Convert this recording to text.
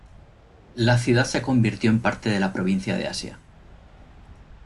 La ciudad se convirtió en parte de la provincia de Asia.